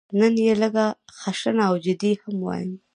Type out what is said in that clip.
نن یې لږه خشنه او جدي هم وایم.